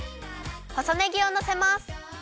細ねぎをのせます。